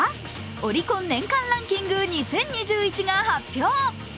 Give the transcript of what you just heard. オリコン年間ランキング２０２１が発表。